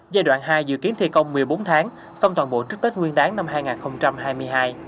giai đoạn hai dự kiến thi công một mươi bốn tháng xong toàn bộ trước tết nguyên đáng năm hai nghìn hai mươi hai